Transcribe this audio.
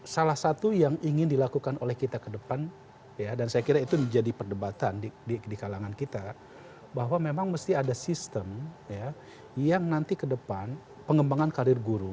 salah satu yang ingin dilakukan oleh kita ke depan dan saya kira itu menjadi perdebatan di kalangan kita bahwa memang mesti ada sistem yang nanti ke depan pengembangan karir guru